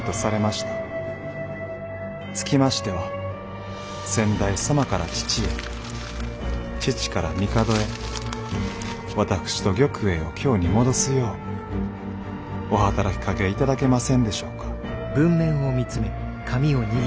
つきましては先代様から父へ父から帝へ私と玉栄を京に戻すようお働きかけ頂けませんでしょうか」。